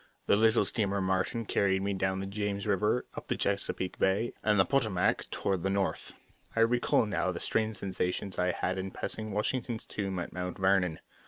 The little steamer Martin carried me down the James River, up the Chesapeake Bay, and the Potomac, toward the North. I recall now the strange sensations I had in passing Washington's tomb at Mount Vernon.